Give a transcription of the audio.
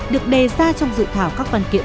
được đề ra trong dự thảo các văn kiện